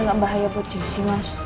gak bahaya buat jessy mas